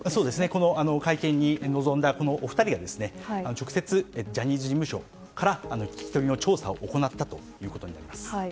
この会見に臨んだお二人が直接、ジャニーズ事務所から聞き取りの調査を行ったということになります。